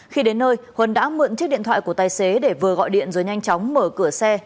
khi đến nơi huân đã mượn chiếc điện thoại của tài xế để vừa gọi điện rồi nhanh chóng mở cửa xe